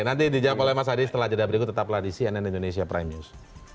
jadi dijawab oleh mas hadi setelah jeda berikut tetaplah di cnn indonesia prime news